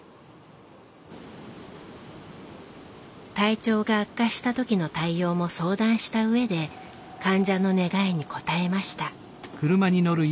体調が悪化した時の対応も相談した上で患者の願いに応えました。